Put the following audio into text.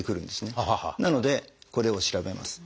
なのでこれを調べます。